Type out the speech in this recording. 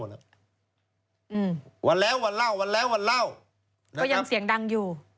วันแล้ววันเล่าวันแล้ววันเล่าก็ยังเสียงดังอยู่